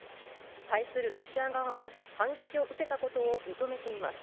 対するロシア側も反撃を受けたことを認めています。